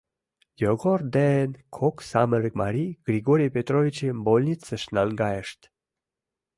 Йогор ден кок самырык марий Григорий Петровичым больницыш наҥгайышт.